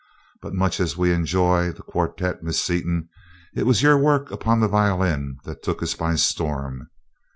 But much as we enjoyed the quartette, Mrs. Seaton, it was your work upon the violin that took us by storm.